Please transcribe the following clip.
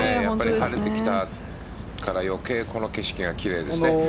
晴れてきたから余計この景色がきれいですね。